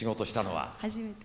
初めて。